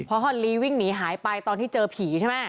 พอฮอนลีวิ่งหนีหายไปตอนที่เจอผีใช่ไหม